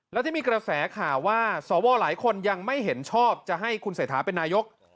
และที่มีกระแสข่าวว่าสวหลายคนยังไม่เห็นชอบจะให้คุณเศรษฐาเป็นนายก